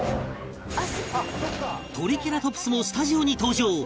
トリケラトプスもスタジオに登場！